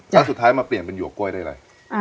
แล้วสุดท้ายมาเปลี่ยนเป็นหวกกล้วยได้อะไร